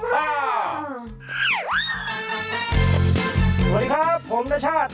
สวัสดีครับผมนชาติ